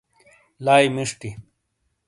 لائی مشٹی،